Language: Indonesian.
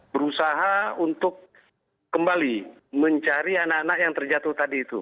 berusaha untuk kembali mencari anak anak yang terjatuh tadi itu